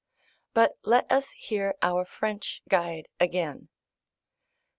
But let us hear our French guide again.